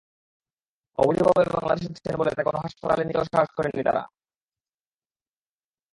অবৈধভাবে বাংলাদেশে থাকছেন বলে তাঁকে কোনো হাসপাতালে নিতেও সাহস করেননি তাঁরা।